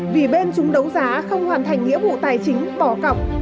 vì bên chúng đấu giá không hoàn thành nghĩa vụ tài chính bỏ cọc